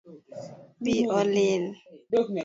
Pi olil